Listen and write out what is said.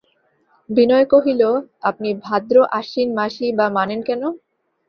বিনয় কহিল, আপনি ভাদ্র-আশ্বিন মাসই বা মানেন কেন?